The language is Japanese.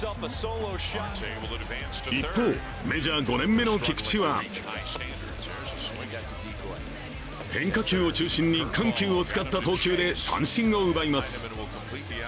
一方、メジャー５年目の菊池は変化球を中心に緩急を使った投球で三振を奪います。